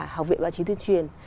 học viện báo chí tuyên truyền